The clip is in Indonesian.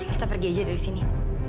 kita pergi aja dari sini